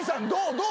どう？